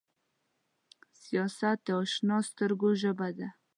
ښایست د اشنا سترګو ژبه ده